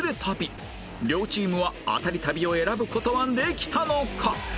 両チームはアタリ旅を選ぶ事はできたのか？